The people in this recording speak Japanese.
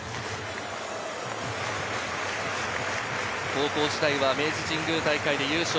高校時代は明治神宮大会で優勝。